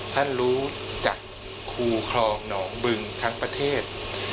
ท่านรู้จากครูคลองหนองบึงทั้งประเทศ